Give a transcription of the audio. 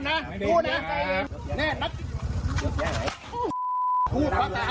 นักข่าวถ่ายไว้เลยนะ